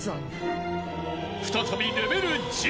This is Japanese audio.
［再びレベル１０］